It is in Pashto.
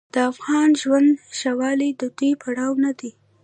د افغان ژوند ښهوالی د دوی پروا نه ده.